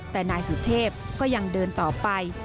แต่นายสุเทพก็ยังเดินต่อไป